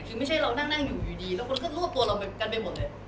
คือไม่ใช่เรานั่งอยู่อยู่ดีแล้วคนก็รวบตัวเรากันไปหมดเลย